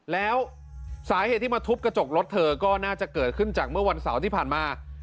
แล้วสาเหตุที่มาทุบกระจกรถเธอก็น่าจะเกิดขึ้นจากเมื่อวันเสาร์ที่ผ่านมา